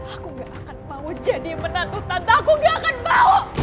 aku gak akan mau jadi penakutan aku gak akan mau